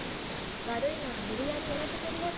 悪いのは無理やりやらせてる奴ら。